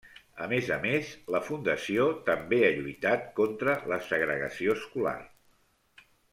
A més a més, la fundació també ha lluitat contra la segregació escolar.